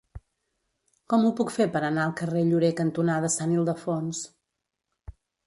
Com ho puc fer per anar al carrer Llorer cantonada Sant Ildefons?